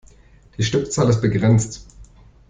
Die Stückzahl ist begrenzt.